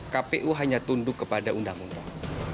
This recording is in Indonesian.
kpu hanya tunduk kepada undang undang